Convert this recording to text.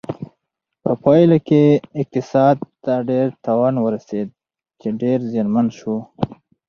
په پایله کې اقتصاد ته ډیر تاوان ورسېده چې ډېر زیانمن شو.